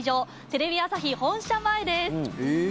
テレビ朝日本社前です。